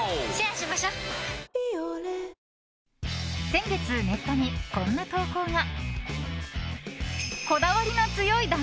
先月、ネットにこんな投稿が。